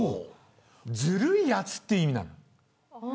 ずるいやつという意味なの。